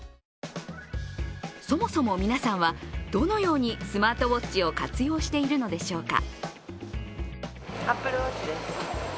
そもそも皆さんは、どのようにスマートウォッチを活用しているのでしょうか。